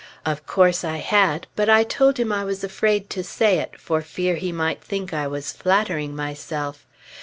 Of course I had, but I told him I was afraid to say it, for fear he might think I was flattering myself.